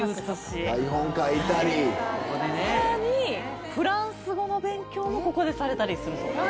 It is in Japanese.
さらに、フランス語の勉強もここでされたりする。